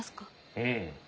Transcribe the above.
うん。